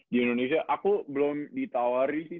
di indonesia aku belum ditawarin sih